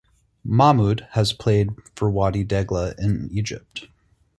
Mahmoud has played for Wadi Degla in Egypt.